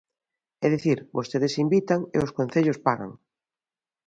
É dicir, vostedes invitan e os concellos pagan.